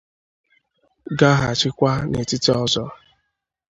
gaghachikwa n'etiti ọzọ